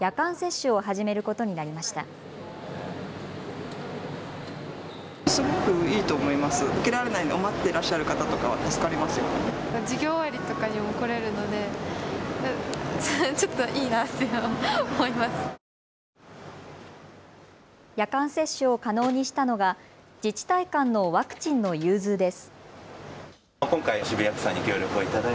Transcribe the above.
夜間接種を可能にしたのが自治体間のワクチンの融通です。